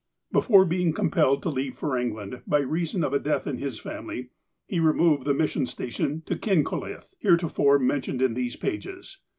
Before being compelled to leave for England, by reason of a death in his family, he removed the mission station to Kiucolith, heretofore mentioned in these pages.